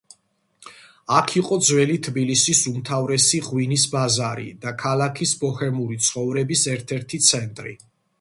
აქვე იყო ძველი თბილისის უმთავრესი ღვინის ბაზარი და ქალაქის ბოჰემური ცხოვრების ერთ-ერთი ცენტრი.